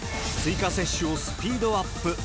追加接種をスピードアップ。